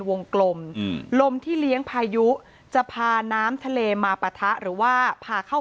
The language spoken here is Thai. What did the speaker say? วงกลมลมที่เลี้ยงพายุจะพาน้ำทะเลมาปะทะหรือว่าพาเข้า